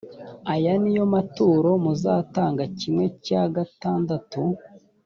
aya ni yo maturo muzatanga kimwe cya gatandatu